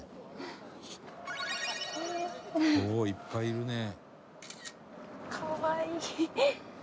「おおー！いっぱいいるね」